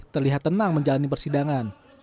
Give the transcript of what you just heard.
terlihat tenang menjalani persidangan